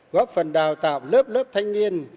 góp phần đào tạo lớp lớp thanh niên